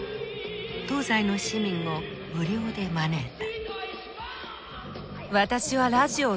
東西の市民を無料で招いた。